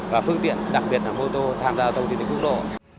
và phương tiện đặc biệt là mô tô tham gia giao thông trên tuyến cốt lộ